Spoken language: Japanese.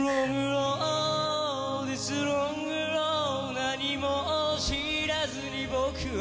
「何も知らずに僕は」